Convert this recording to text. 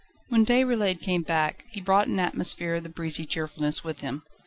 When Déroulède came back, he brought an atmosphere of breezy cheerfulness with him.